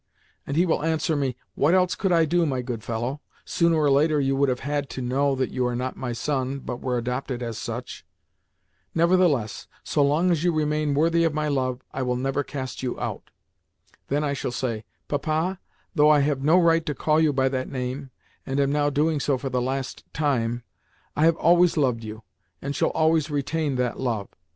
And he will answer me, 'What else could I do, my good fellow? Sooner or later you would have had to know that you are not my son, but were adopted as such. Nevertheless, so long as you remain worthy of my love, I will never cast you out.' Then I shall say, 'Papa, though I have no right to call you by that name, and am now doing so for the last time, I have always loved you, and shall always retain that love.